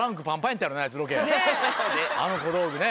ロケあの小道具ね。